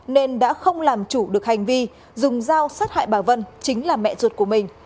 nên đã không làm chủ được hành vi dùng dao sát hại bà vân chính là mẹ ruột của mình